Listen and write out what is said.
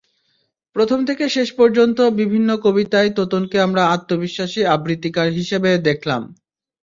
প্রথম থেকে শেষ পর্যন্ত বিভিন্ন কবিতায় তোতনকে আমরা আত্মবিশ্বাসী আবৃত্তিকার হিসেবে দেখলাম।